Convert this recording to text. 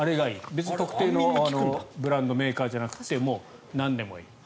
別に特定のブランドメーカーじゃなくてもうなんでもいい。